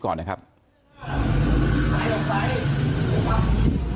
ใช้ยืด